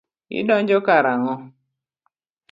Idonjo ka karang'o.